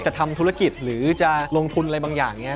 จะทำธุรกิจหรือจะลงทุนอะไรบางอย่างเนี่ย